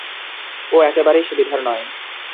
ও একেবারেই সুবিধার নয়।